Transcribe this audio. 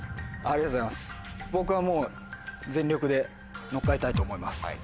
僕はもう全力で乗っかりたいと思います。